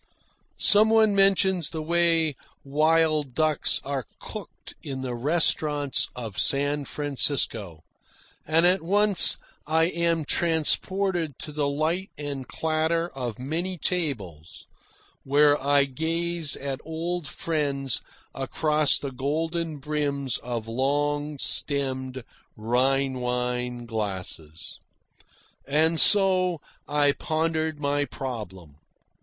Some one mentions the way wild ducks are cooked in the restaurants of San Francisco, and at once I am transported to the light and clatter of many tables, where I gaze at old friends across the golden brims of long stemmed Rhine wine glasses. And so I pondered my problem.